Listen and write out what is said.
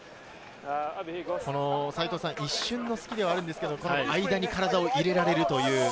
一瞬の隙ではあるんですけれど、間に体を入れられるという。